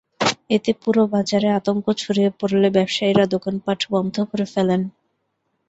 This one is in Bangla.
এতে পুরো বাজারে আতঙ্ক ছড়িয়ে পড়লে ব্যবসায়ীরা দোকানপাট বন্ধ করে ফেলেন।